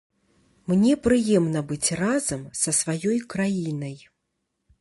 Мне прыемна быць разам са сваёй краінай.